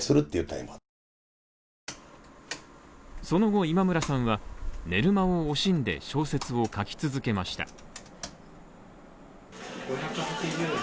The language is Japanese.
その後今村さんは寝る間を惜しんで小説を書き続けました。